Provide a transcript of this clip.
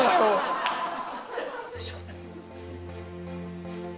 失礼します。